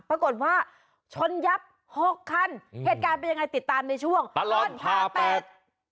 ปรากฏว่าชนยับหกคันเหตุการณ์เป็นยังไงติดตามในช่วงตลอดห้าแปด